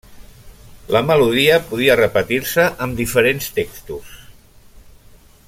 La melodia podia repetir-se amb diferents textos.